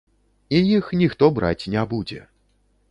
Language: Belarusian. І іх ніхто браць не будзе.